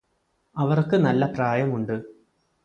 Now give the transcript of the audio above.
അവര്ക്ക് നല്ല പ്രായമുണ്ട്